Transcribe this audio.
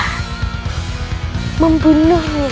aku bisa menipu para prajurit lain